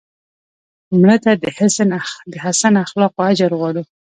مړه ته د حسن اخلاقو اجر غواړو